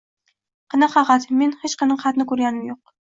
Qanaqa xat, men hech qanaqa xatni koʻrganim yoʻq.